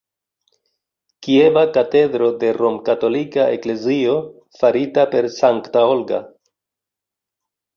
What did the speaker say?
Kieva katedro de Romkatolika Eklezio, farita per Sankta Olga.